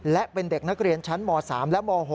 และเป็นเด็กนักเรียนชั้นม๓และม๖